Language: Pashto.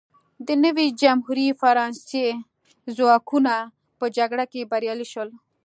د نوې جمهوري فرانسې ځواکونه په جګړه کې بریالي شول.